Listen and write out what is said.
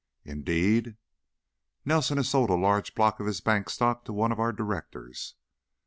"Indeed?" "Nelson has sold a large block of his bank stock to one of our directors."